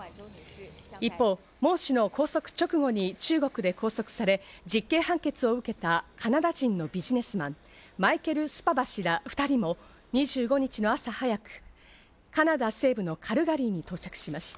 一方、モウ氏の拘束直後に中国で拘束され、実刑判決を受けたカナダ人のビジネスマン、マイケル・スパバ氏ら２人も２５日の朝早く、カナダ西部のカルガリーに到着しました。